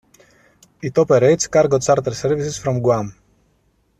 It operates cargo charter services from Guam.